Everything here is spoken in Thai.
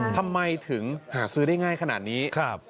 ทำไมถึงหาซื้อได้ง่ายขนาดนี้